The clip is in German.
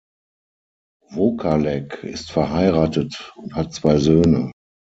Wokalek ist verheiratet und hat zwei Söhne.